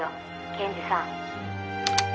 検事さん」